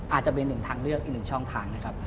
อาจจะเป็นหนึ่งทางเลือกอีกหนึ่งช่องทางนะครับ